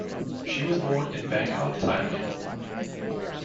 She was born in Bangkok, Thailand.